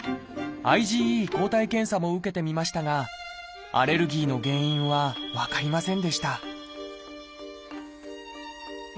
ＩｇＥ抗体検査も受けてみましたがアレルギーの原因は分かりませんでした